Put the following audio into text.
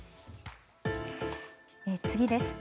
次です。